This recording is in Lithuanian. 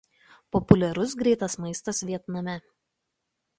Populiarus greitas maistas Vietname.